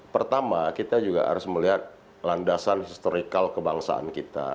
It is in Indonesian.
pertama kita juga harus melihat landasan historikal kebangsaan kita